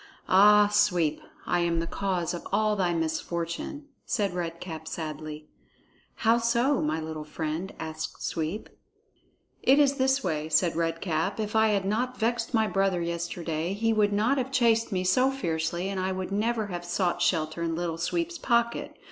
"Ah, Sweep, I am the cause of all thy misfortune," said Red Cap sadly. "How so, my little friend?" asked Sweep. "It is this way," said Red Cap. "If I had not vexed my brother yesterday, he would not have chased me so fiercely, and I would never have sought shelter in Little Sweep's pocket.